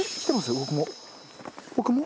僕も。